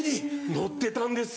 乗ってたんです。